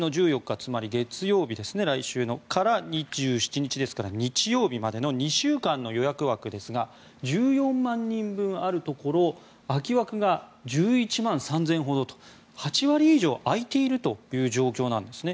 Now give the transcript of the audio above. つまり来週の月曜日から２７日ですから、日曜日までの２週間の予約枠ですが１４万人分あるところ空き枠が１１万３０００ほどと８割以上空いているという状況なんですね。